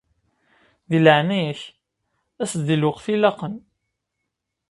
Di leɛnaya-k as-d di lweqt ilaqen.